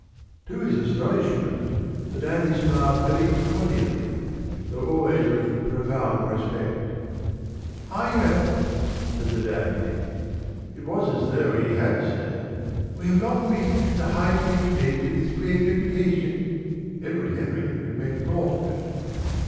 To his astonishment the dandy smiled very cordially, though always with profound respect. "Ah, yes!" said the dandy. It was as though he had said: "We have long wished for the high patronage of this great reputation." Edward Henry could make naught of it.